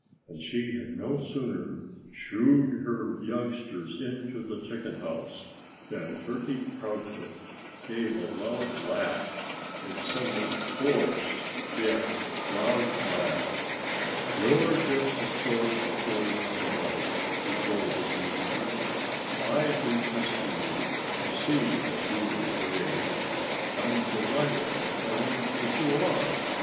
And she had no sooner shooed her youngsters into the chicken house than Turkey Proudfoot gave a loud laugh a somewhat forced, yet loud laugh. "You're just the sort of bird I like," he told the rooster. "I've been testing you to see if you were brave. I'm delighted to find that you are.